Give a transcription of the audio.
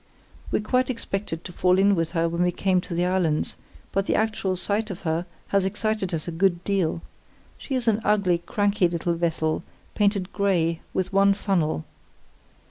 We quite expected to fall in with her when we came to the islands, but the actual sight of her has excited us a good deal. She is an ugly, cranky little vessel, painted grey, with one funnel.